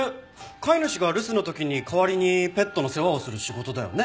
飼い主が留守の時に代わりにペットの世話をする仕事だよね。